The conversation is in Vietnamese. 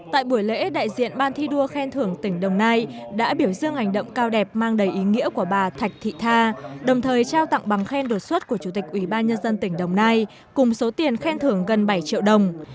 tại buổi lễ đại diện ban thi đua khen thưởng tỉnh đồng nai đã biểu dương hành động cao đẹp mang đầy ý nghĩa của bà thạch thị tha đồng thời trao tặng bằng khen đột xuất của chủ tịch ủy ban nhân dân tỉnh đồng nai cùng số tiền khen thưởng gần bảy triệu đồng